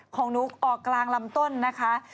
ของนุ๊กออกกลางลำต้นนะคะ